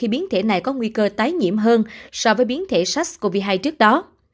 biến thể này có nguy cơ tái nhiễm hơn so với biến thể sars cov hai trước đó